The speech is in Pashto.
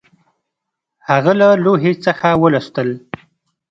هغه له لوحې څخه ولوستل